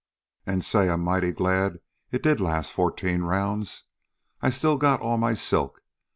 " An', say. I 'm mighty glad it did last fourteen rounds. I still got all my silk.